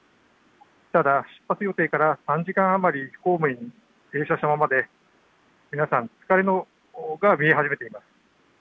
ただ出発予定から３時間余り停車したままで皆さん、疲れが見え始めています。